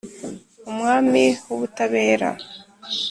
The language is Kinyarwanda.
Umwami w’ubutabera